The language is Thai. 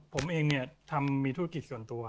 ผมเองทำมีธุรกิจส่วนตัว